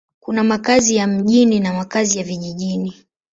Kuna makazi ya mjini na makazi ya vijijini.